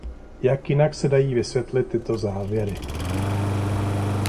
Jak jinak se dají vysvětlit tyto závěry?